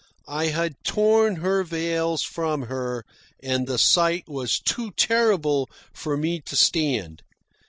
I had torn her veils from her, and the sight was too terrible for me to stand.